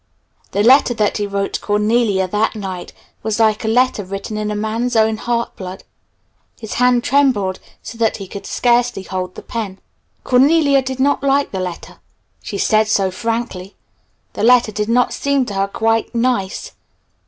The letter that he wrote to Cornelia that night was like a letter written in a man's own heart blood. His hand trembled so that he could scarcely hold the pen. Cornelia did not like the letter. She said so frankly. The letter did not seem to her quite "nice."